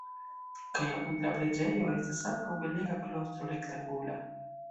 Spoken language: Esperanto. Kaj apud la preĝejo estas ankaŭ belega klostro rektangula.